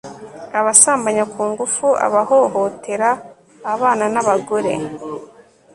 abasambanya ku ngufu, abahohotera abana n'abagore